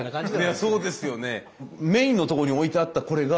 いやそうですよね。